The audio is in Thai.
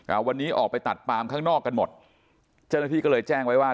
อ่าวันนี้ออกไปตัดปามข้างนอกกันหมดเจ้าหน้าที่ก็เลยแจ้งไว้ว่า